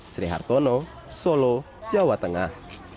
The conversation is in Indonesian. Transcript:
sri hartono solo jawa tengah